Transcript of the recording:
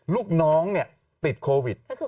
ลูกน้องเนี่ยติดโควิด